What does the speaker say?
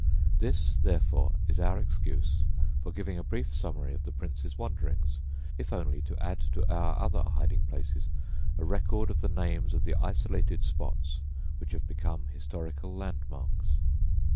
This, therefore, is our excuse for giving a brief summary of the Prince's wanderings, if only to add to our other hiding places a record of the names of the isolated spots which have become historical landmarks.